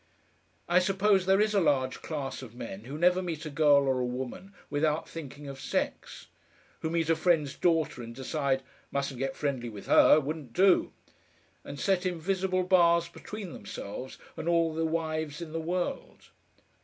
I suppose there is a large class of men who never meet a girl or a woman without thinking of sex, who meet a friend's daughter and decide: "Mustn't get friendly with her wouldn't DO," and set invisible bars between themselves and all the wives in the world.